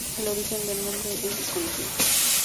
El origen del nombre es desconocido.